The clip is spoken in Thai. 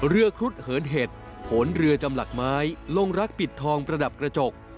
ครุฑเหินเห็ดโขนเรือจำหลักไม้ลงรักปิดทองประดับกระจก